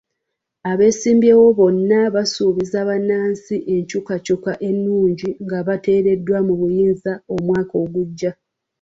Abeesimbyewo bonna basuubiza bannansi enkyukakyuka ennungi nga bateereddwa mu buyinza omwaka ogujja.